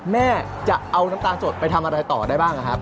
แม่จะเอาน้ำตาลสดไปทำอะไรต่อได้บ้างครับ